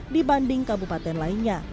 dibanding kabupaten lainnya